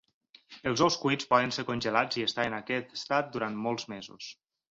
Els ous cuits poden ser congelats i estar en aquest estat durant molts mesos.